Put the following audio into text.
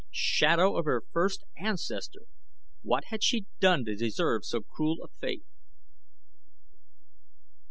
Shadow of her first ancestor! What had she done to deserve so cruel a fate?